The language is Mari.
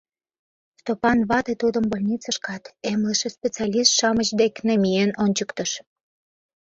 Стопан вате тудым больницышкат эмлыше специалист-шамыч дек намиен ончыктыш.